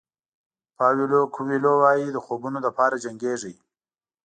پاویلو کویلو وایي د خوبونو لپاره جنګېږئ.